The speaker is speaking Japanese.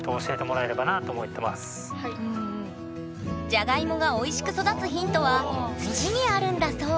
ジャガイモがおいしく育つヒントは「土」にあるんだそう